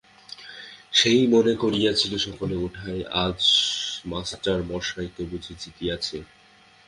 সে মনে করিয়াছিল, সকালে ওঠায় সে আজ মাস্টারমশায়কে বুঝি জিতিয়াছে।